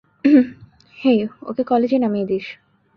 হেই, ওকে কলেজে নামিয়ে দিস।